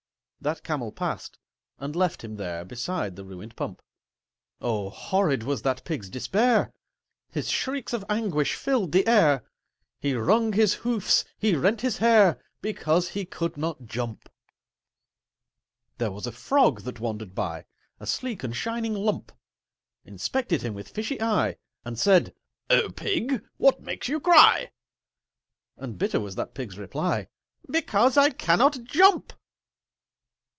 That Camel passed, and left him there, Beside the ruined Pump. Oh, horrid was that Pig's despair! His shrieks of anguish filled the air. He wrung his hoofs, he rent his hair, Because he could not jump. There was a Frog that wandered by— A sleek and shining lump: Inspected him with fishy eye, And said "O Pig, what makes you cry?" And bitter was that Pig's reply, "Because I cannot jump!"